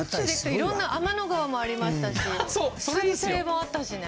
いろんな天の川もありましたし彗星もあったしね。